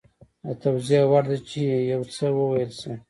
د توضیح وړ ده چې یو څه وویل شي